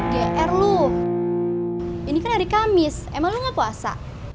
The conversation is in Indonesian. gr lo ini kan hari kamis emang lu gak puasa